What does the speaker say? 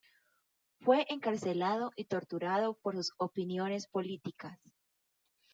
Fue encarcelado y torturado por sus opiniones políticas.